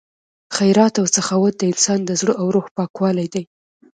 خیرات او سخاوت د انسان د زړه او روح پاکوالی دی.